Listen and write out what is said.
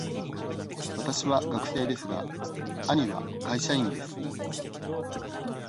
わたしは学生ですが、兄は会社員です。